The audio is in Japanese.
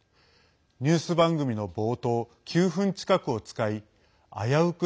ニュース番組の冒頭９分近くを使い危うく